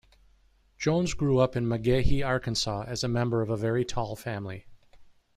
Jones grew up in McGehee, Arkansas, a member of a very tall family.